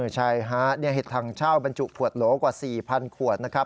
ใช่ฮะเห็ดถังเช่าบรรจุขวดโหลกว่า๔๐๐ขวดนะครับ